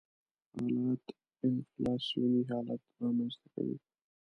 حالت انفلاسیوني حالت رامنځته کوي.